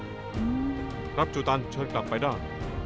รับจูตันเชิญกลับไปได้